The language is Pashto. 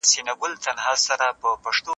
آیا موږ له خپل تاریخ څخه زده کړه کوو؟